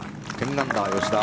１０アンダー、吉田。